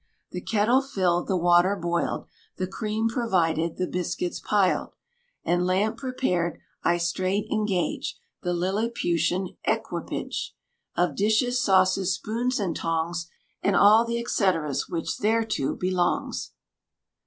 The kettle filled, the water boiled, The cream provided, the biscuits piled. And lamp prepared; I straight engage The Lilliputian equipage Of dishes, sauces, spoons, and tongs, And all the et ceteras which thereto belongs.